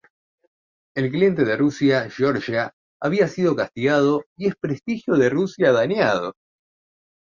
El cliente de Rusia, Georgia, había sido castigado, y el prestigio de Rusia, dañado.